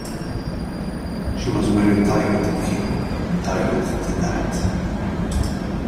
She was very tired of him — tired to death.